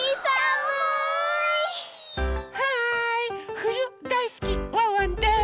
ふゆだいすきワンワンです！